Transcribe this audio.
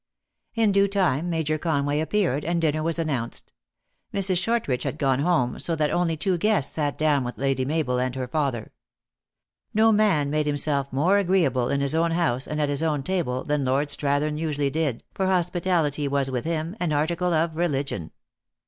In due time Major Conway appeared, and dinner was announced. Mrs. Shortridge had gone home, so that only two guests sat down with Lady Mabel and her father. No man made himself more agreeable in his own house and at his own table than Lord Strathern usually did, for hospitality was with him an article of religion.